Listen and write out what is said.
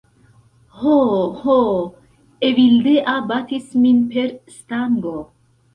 "Ho, ho... Evildea batis min per stango!"